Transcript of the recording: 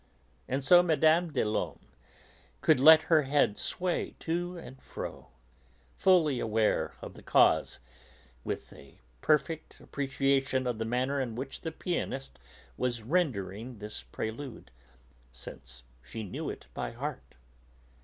And so Mme. des Laumes could let her head sway to and fro, fully aware of the cause, with a perfect appreciation of the manner in which the pianist was rendering this Prelude, since she knew it by heart.